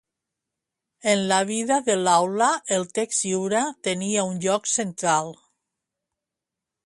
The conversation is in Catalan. En la vida de l'aula el text lliure tenia un lloc central.